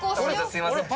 すいません。